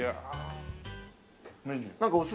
メニュー。